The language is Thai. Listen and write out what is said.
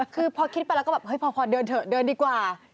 คือพอคิดไปแล้วก็แบบเฮ้ยพอเดินเถอะเดินดีกว่า